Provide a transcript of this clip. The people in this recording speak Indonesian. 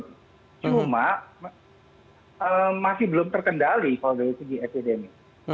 cuma masih belum terkendali kalau dari segi epidemi